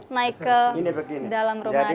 naik ke dalam rumah adat ini